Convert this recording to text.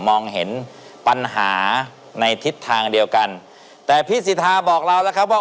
มองเห็นปัญหาในทิศทางเดียวกันแต่พี่สิทธาบอกเราแล้วครับว่า